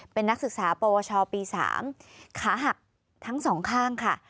เป็นนักศึกษาปวชปี๓ขาหักทั้งสองข้างค่ะ